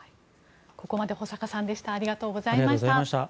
ここまで保坂さんでした。